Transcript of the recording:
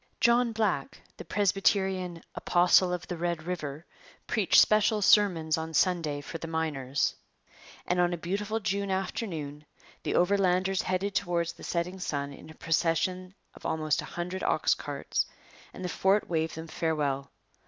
John Black, the Presbyterian 'apostle of the Red River,' preached special sermons on Sunday for the miners. And on a beautiful June afternoon the Overlanders headed towards the setting sun in a procession of almost a hundred ox carts; and the fort waved them farewell.